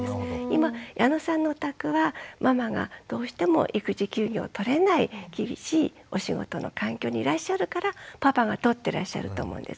今矢野さんのお宅はママがどうしても育児休業を取れない厳しいお仕事の環境にいらっしゃるからパパが取ってらっしゃると思うんです。